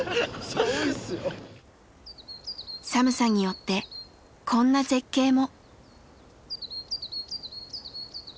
寒さによってこんな絶景も！